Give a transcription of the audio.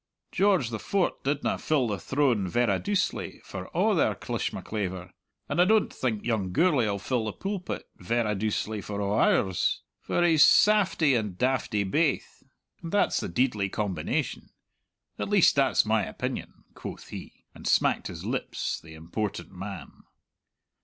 George the Fort' didna fill the throne verra doucely for a' their clishmaclaver, and I don't think young Gourlay'll fill the pulpit verra doucely for a' ours. For he's saftie and daftie baith, and that's the deidly combination. At least, that's my opinion," quoth he, and smacked his lips, the important man.